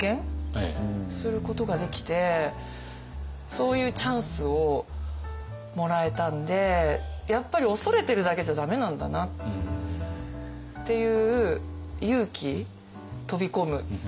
そういうチャンスをもらえたんでやっぱり恐れてるだけじゃ駄目なんだなっていう勇気飛び込む。